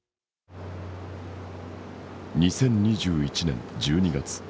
２０２１年１２月。